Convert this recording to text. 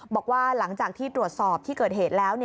บอกว่าหลังจากที่ตรวจสอบที่เกิดเหตุแล้ว